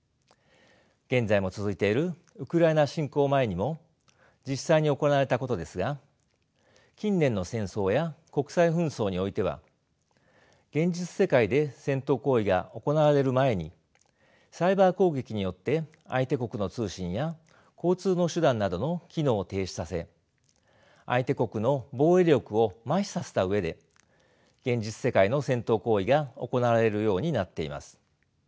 現在も続いているウクライナ侵攻前にも実際に行われたことですが近年の戦争や国際紛争においては現実世界で戦闘行為が行われる前にサイバー攻撃によって相手国の通信や交通の手段などの機能を停止させ相手国の防衛力を麻痺させた上で現実世界の戦闘行為が行われるようになっています。